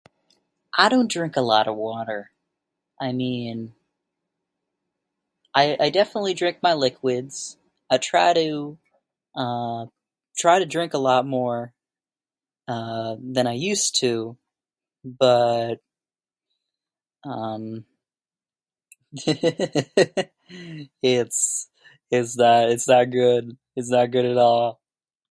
I don't drink a lot of water. I mean, I I definitely drink my liquids, I try to, uh, try to drink a lot more, uh, than I used to, but, um, it's it's not it's not good, it's not good at all.